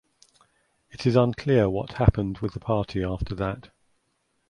It is unclear what happened with the party after that.